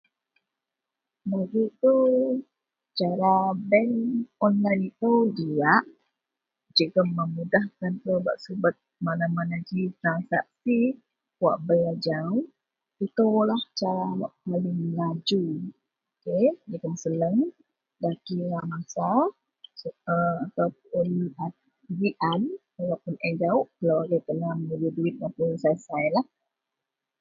Bagi kou cara bank online itou diyak jegem memudahkan telou bak subet mana - mana ji transaksi wak bei ajau. Itoulah cara wak lebeh maju, ok jegem seneng nda kira masa sebap ataupuun gian walaupuun en jawuk telou agei kena menului duwit mapun sai - sailah